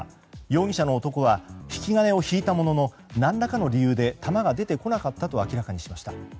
容疑者の男は引き金を引いたものの何らかの理由で弾が出てこなかったと明らかにしました。